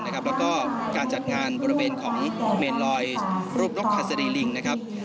แล้วก็การจัดงานบริเวณของเมนลอยรูปนกหัสดีลิงนะครับ